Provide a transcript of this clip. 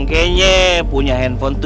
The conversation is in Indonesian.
rasanya jantung aku mau copot